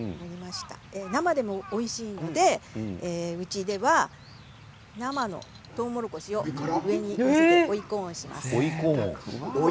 生でもおいしいのでうちでは生のとうもろこしを上から追いコーンもします。